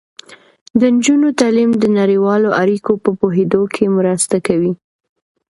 د نجونو تعلیم د نړیوالو اړیکو په پوهیدو کې مرسته کوي.